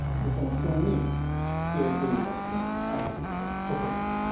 布団に湿気というか汗というか取ってもらうと。